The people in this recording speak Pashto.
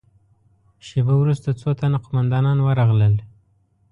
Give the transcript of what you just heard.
شېبه وروسته څو تنه قوماندانان ورغلل.